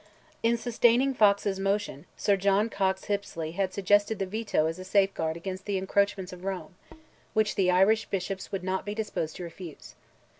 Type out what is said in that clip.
In sustaining Fox's motion, Sir John Cox Hippesley had suggested "the Veto" as a safeguard against the encroachments of Rome, which the Irish bishops would not be disposed to refuse.